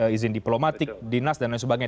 izin diplomatik dinas dan lain sebagainya